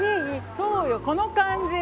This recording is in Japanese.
そうよこの感じ。